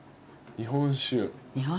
日本酒ね。